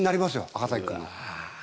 赤崎君の。